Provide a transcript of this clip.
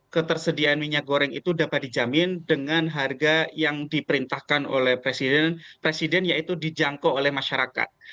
ketersediaan minyak goreng itu dapat dijamin dengan harga yang diperintahkan oleh presiden yaitu dijangkau oleh masyarakat